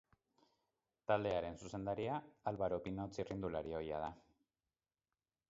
Taldearen zuzendaria Alvaro Pino, txirrindulari ohia, da.